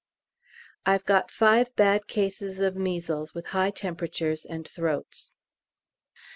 I've got five bad cases of measles, with high temperatures and throats.